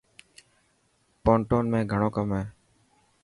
پونٽون ۾ گهڻو ڪم هي.